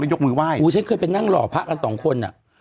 แล้วยกมือไหว้โอ้ฉันเคยเป็นนั่งหล่อพระกัน๒คนน่ะ